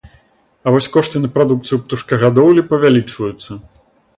А вось кошты на прадукцыю птушкагадоўлі павялічваюцца.